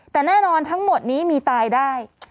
แต่แน่นอนทั้งหมดนี้มีตายได้